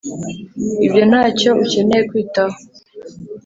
Ibyo ntacyo ukeneye kwitaho